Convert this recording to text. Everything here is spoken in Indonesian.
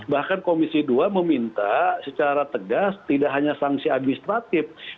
bahkan komisi dua meminta secara tegas tidak hanya sanksi administratif